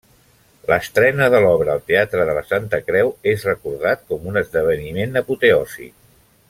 L'estrena de l'obra al Teatre de la Santa Creu és recordat com un esdeveniment apoteòsic.